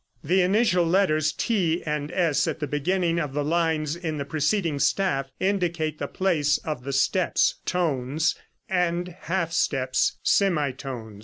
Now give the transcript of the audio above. ] The initial letters, T and S, at the beginning of the lines in the preceding staff indicate the place of the steps (tones) and half steps (semitones).